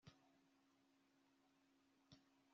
arasimbuka, arazunguruka, afata umwobo